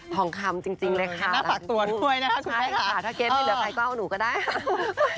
ทองคำหรือทองม้วนน่าฝากตัวด้วยนะครับคุณแฟนค่ะถ้าเกษไม่เหลือใครก็เอาหนูก็ได้ค่ะ